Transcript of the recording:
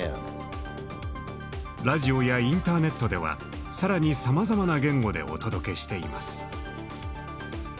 ラジオやインターネットでは更にさまざまな言語でお届けしています。